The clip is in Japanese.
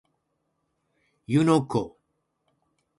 湯ノ湖